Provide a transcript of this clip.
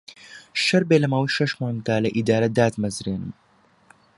شەرت بێ لە ماوەی شەش مانگدا لە ئیدارە داتمەزرێنم